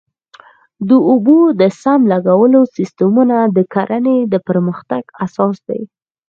د اوبو د سم لګولو سیستمونه د کرنې د پرمختګ اساس دی.